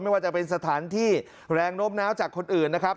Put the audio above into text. ไม่ว่าจะเป็นสถานที่แรงโน้มน้าวจากคนอื่นนะครับ